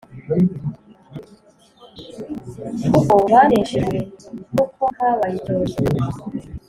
uko baneshejwe n'uko habaye icyorezo